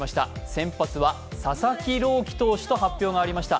先発は佐々木朗希投手と発表がありました。